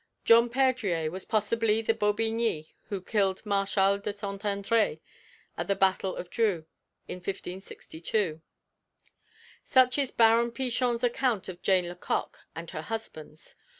John Perdrier was possibly the Baubigny who killed Marshal de St. André at the battle of Dreux in 1562. Such is Baron Pichon's account of Jane Lecoq and her husbands.